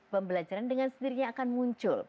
pembelajaran dengan sendirinya akan muncul